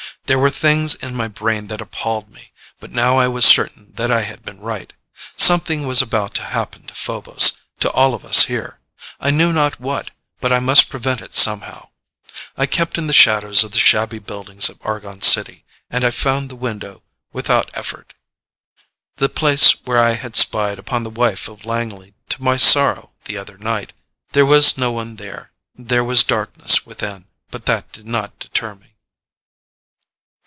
There were things in my brain that appalled me, but I was now certain that I had been right. Something was about to happen to Phobos, to all of us here I knew not what, but I must prevent it somehow. I kept in the shadows of the shabby buildings of Argon City, and I found the window without effort. The place where I had spied upon the wife of Langley to my sorrow the other night. There was no one there; there was darkness within, but that did not deter me.